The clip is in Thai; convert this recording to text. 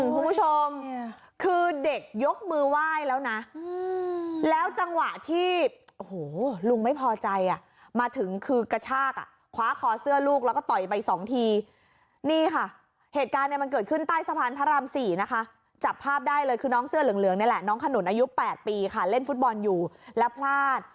คุณผู้ชมคือเด็กยกมือไหว้แล้วนะแล้วจังหวะที่โอ้โหลุงไม่พอใจอ่ะมาถึงคือกระชากอ่ะคว้าคอเสื้อลูกแล้วก็ต่อยไปสองทีนี่ค่ะเหตุการณ์เนี่ยมันเกิดขึ้นใต้สะพานพระราม๔นะคะจับภาพได้เลยคือน้องเสื้อเหลืองนี่แหละน้องขนุนอายุ๘ปีค่ะเล่นฟุตบอลอยู่แล้วพลาด